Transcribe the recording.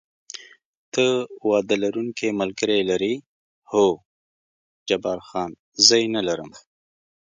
ته واده لرونکی ملګری لرې؟ هو، جبار خان: زه یې نه لرم.